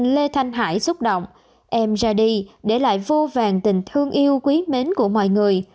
lê thanh hải xúc động em ra đi để lại vô vàng tình thương yêu quý mến của mọi người